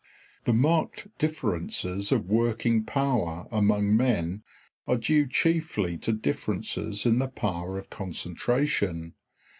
The marked differences of working power among men are due chiefly to differences in the power of concentration.